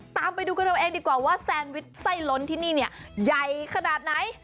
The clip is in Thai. ตามไปดูกันเอาเองดีกว่าว่าแซนวิชไส้ล้นที่นี่เนี่ยใหญ่ขนาดไหน